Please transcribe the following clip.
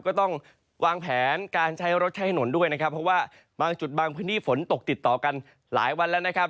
ก็ต้องวางแผนการใช้รถใช้ถนนด้วยนะครับเพราะว่าบางจุดบางพื้นที่ฝนตกติดต่อกันหลายวันแล้วนะครับ